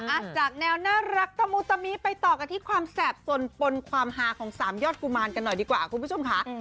อ่ะจากแนวน่ารักตะมุตมิไปต่อกันที่ความแสบสนปนความฮาของสามยอดกุมารกันหน่อยดีกว่าคุณผู้ชมค่ะ